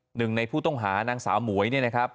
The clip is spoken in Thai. หนึ่งในผู้ต้องหานางสาวหมวยเนี่ยนะครับ